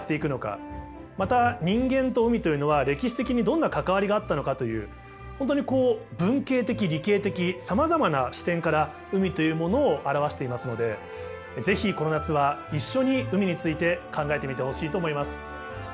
また人間と海というのは歴史的にどんな関わりがあったのかという本当にこう文系的理系的さまざまな視点から海というものを表していますので是非この夏は一緒に海について考えてみてほしいと思います。